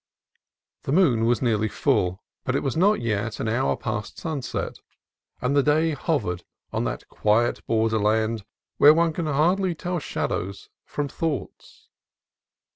The moon was nearly full, but it was not yet an hour past sunset, and the day hovered on that quiet borderland where one can hardly tell shadows from thoughts.